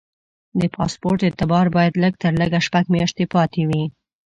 د پاسپورټ اعتبار باید لږ تر لږه شپږ میاشتې پاتې وي.